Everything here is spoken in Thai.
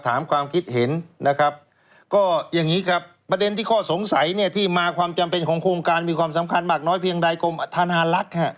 ถามความคิดเห็นนะครับก็อย่างนี้ครับประเด็นที่ข้อสงสัยเนี่ยที่มาความจำเป็นของโครงการมีความสำคัญมากน้อยเพียงใดกรมธนาลักษณ์